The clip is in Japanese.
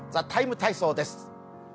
「ＴＨＥＴＩＭＥ，体操」です。